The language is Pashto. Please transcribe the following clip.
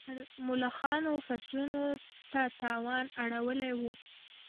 ملخانو فصلونو ته تاوان اړولی و.